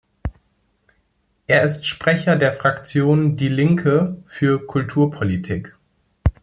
Er ist Sprecher der Fraktion „Die Linke“ für Kulturpolitik.